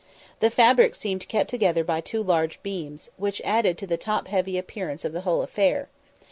The fabric seemed kept together by two large beams, which added to the top heavy appearance of the whole affair.